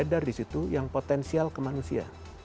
dan juga harus mencari di situ yang potensial ke manusia